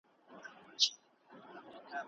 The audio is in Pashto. علمي پرمختګ ټولنه له بدويت څخه خلاصوي.